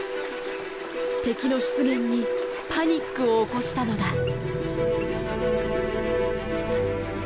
敵の出現にパニックを起こしたのだ。